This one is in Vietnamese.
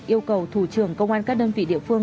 yêu cầu thủ trưởng công an các đơn vị địa phương